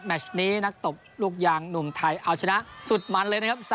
ชนี้นักตบลูกยางหนุ่มไทยเอาชนะสุดมันเลยนะครับ